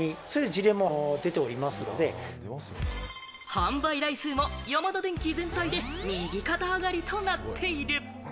販売台数もヤマダデンキ全体で右肩上がりとなっている。